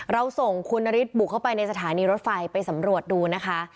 เราส่งคุณนฤทธิบุกเข้าไปในสถานีรถไฟไปสำรวจดูนะคะ